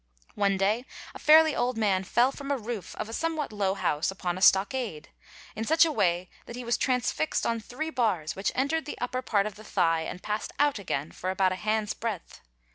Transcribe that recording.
One day a fairly old man fell from the roof of a somewhat low house upon a stockade, in such a way that he was transfixed on three bars which entered the upper part of the thigh and passed out again for about a hand's breadth.